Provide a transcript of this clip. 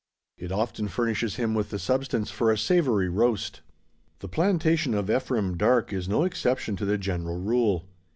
It often furnishes him with the substance for a savoury roast. The plantation of Ephraim Darke is no exception to the general rule.